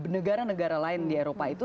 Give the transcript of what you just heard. negara negara lain di eropa itu